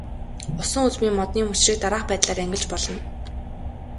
Усан үзмийн модны мөчрийг дараах байдлаар ангилж болно.